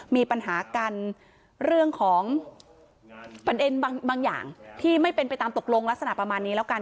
มีปัญหากันเรื่องของประเด็นบางอย่างที่ไม่เป็นไปตามตกลงลักษณะประมาณนี้แล้วกัน